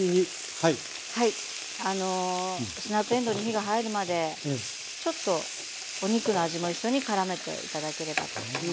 あのスナップえんどうに火が入るまでちょっとお肉の味も一緒にからめて頂ければと思います。